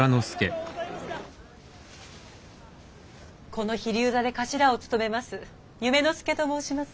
この飛龍座で頭を務めます